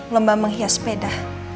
lemba menghias sepeda